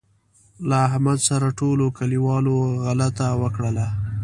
له احمد سره ټولوکلیوالو غلطه وکړله.